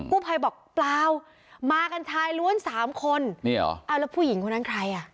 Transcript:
ผู้ภัยบอกเปล่ามากันชายล้วนสามคนนี่เหรอเอาแล้วผู้หญิงคนนั้นใครอ่ะ